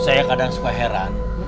saya kadang suka heran